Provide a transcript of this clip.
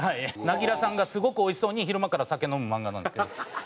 なぎらさんがすごくおいしそうに昼間から酒飲む漫画なんですけど。